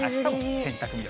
洗濯日和。